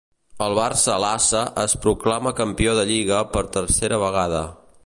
El Barça Lassa es proclama Campió de Lliga per tercera vegada.